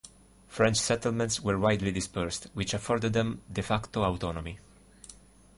French settlements were widely dispersed, which afforded them "de facto" autonomy.